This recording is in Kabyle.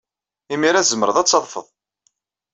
Imir-a, tzemred ad d-tadfed.